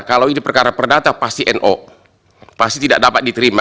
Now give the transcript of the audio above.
kalau ini perkara perdata pasti no pasti tidak dapat diterima